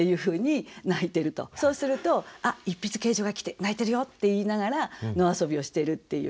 そうすると「あっ一筆啓上が来て鳴いてるよ」って言いながら野遊びをしてるっていう。